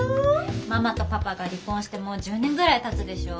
ママとパパが離婚してもう１０年ぐらいたつでしょ。